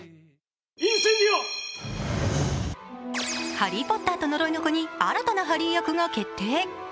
「ハリー・ポッターと呪いの子」に新たなハリー役が決定。